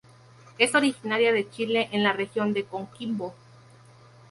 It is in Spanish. Es originaria de Chile en la Región de Coquimbo.